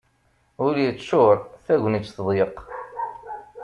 Ul yeččur, tagnit teḍyeq.